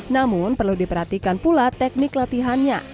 namun perlu diperhatikan pula teknik latihannya